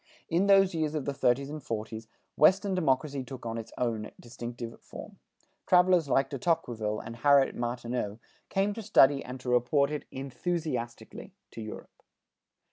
In these years of the thirties and forties, Western democracy took on its distinctive form. Travelers like De Tocqueville and Harriet Martineau, came to study and to report it enthusiastically to Europe.